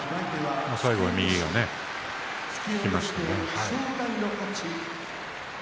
最後は右が出ましたね。